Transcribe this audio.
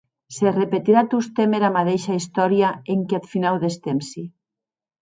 Se repetirà tostemp era madeisha istòria enquiath finau des tempsi.